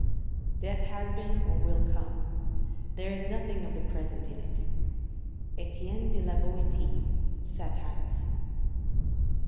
["Death has been, or will come: there is nothing of the present in it." Estienne de la Boetie, Satires.